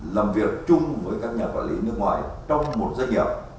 làm việc chung với các nhà quản lý nước ngoài trong một doanh nghiệp